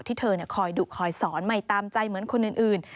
ที่เธอคอยดุคอยสอนใหม่ตามใจเหมือนคนอื่น